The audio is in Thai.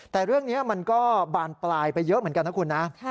แต่เรื่องนี้มันก็บานปลายไปเยอะเหมือนกันนะคุณนะ